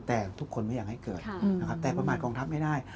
แต่ทุกคนไม่อยากให้เกิดนะครับแต่ประมาทกองทัพไม่ได้